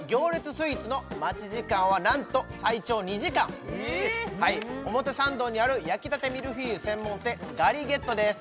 スイーツの待ち時間はなんと最長２時間え表参道にある焼きたてミルフィーユ専門店ガリゲットです